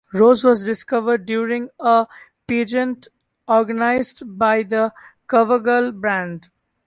Rose was discovered during a pageant organized by the "Covergirl" brand.